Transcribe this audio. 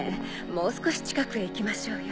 もう少し近くへ行きましょうよ。